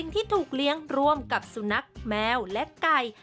ที่ถูกเลี้ยงร่วมกับสุนัขแมวและไก่